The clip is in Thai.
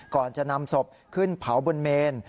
ก่อนจะนำศพขึ้นเผาบนเมน